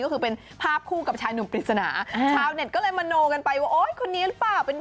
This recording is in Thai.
ก็คือเป็นภาพคู่กับชายหนุ่มลิสติน่า